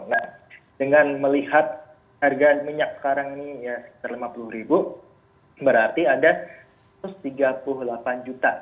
nah dengan melihat harga minyak sekarang ini ya sekitar lima puluh ribu berarti ada satu ratus tiga puluh delapan juta